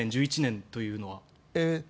１０年、１１年というのは。